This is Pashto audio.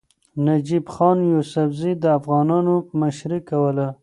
نجیب خان یوسفزي د افغانانو مشري کوله.